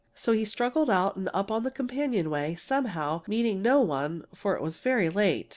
"So he struggled out and up the companionway, somehow, meeting no one, for it was very late.